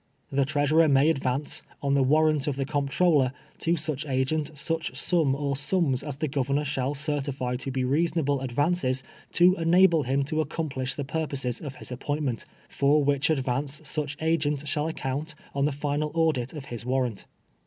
The Treasurer may ad\ ance, on the warrant of the Comptroller, to such agent, such sum or sums as the Governor shall certify to be reasonable advances to enable him to accomplish the pur poses of his appointment, for which advance such agent shall account, on the final aucUt of his warrant.